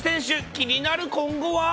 気になる今後は。